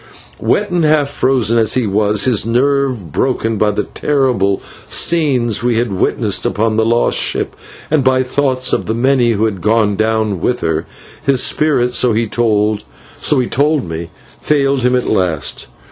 Wet and half frozen as he was, his nerve broken by the terrible scenes that we had witnessed upon the lost ship, and by thoughts of the many who had gone down with her, his spirit, so he told me, failed him at last.